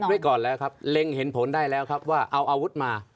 ไว้ก่อนแล้วครับเล็งเห็นผลได้แล้วครับว่าเอาอาวุธมา